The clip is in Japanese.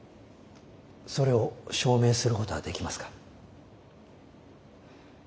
それを証明することはできますか？